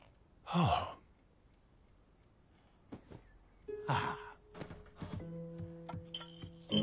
ああ！